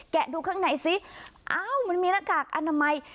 ดูข้างในสิอ้าวมันมีหน้ากากอนามัย